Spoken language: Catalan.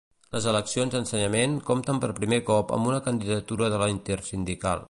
Les eleccions a Ensenyament compten per primer cop amb una candidatura de la Intersindical.